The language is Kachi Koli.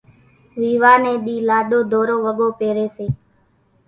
ويوا نيَ ۮِي لاڏو ڌورو وڳو پيريَ سي۔